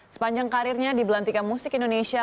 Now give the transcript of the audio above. sepanjang karirnya di belantika musik indonesia